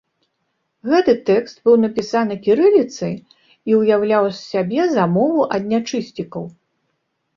Гэты тэкст быў напісаны кірыліцай і ўяўляў з сябе замову ад нячысцікаў.